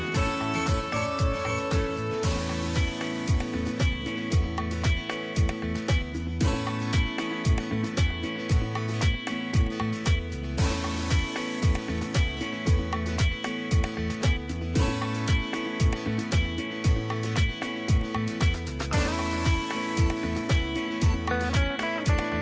สวัสดีครับ